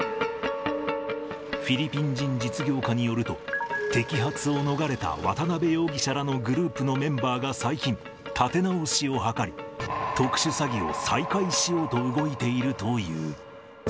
フィリピン人実業家によると、摘発を逃れた渡辺容疑者らのグループのメンバーが最近、立て直しを図り、特殊詐欺を再開しようと動いているという。